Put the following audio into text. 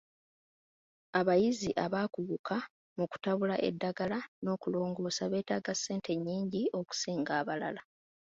Abayizi abakuguka mu kutabula eddagala n'okulongoosa beetaaga ssente nnyingi okusinga abalala.